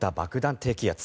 低気圧。